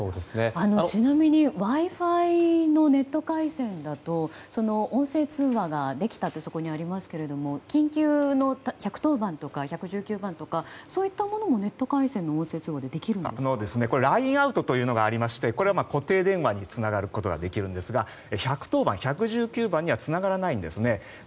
ちなみにＷｉ‐Ｆｉのネット回線だと音声通話ができたとそこにありますけど緊急の１１０番とか１１９番とかそういったものもネット回線で音声通話はＬＩＮＥのがあるんですがそれですと固定電話につながることができるんですが１１０番通報、１１９番通報にはつながらないんですね。